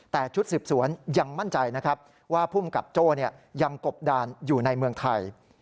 แต่ชุดสืบสวนยังมั่นใจนะครับว่าภูมิกับโจ้ยังกบดานอยู่ในเมืองไทย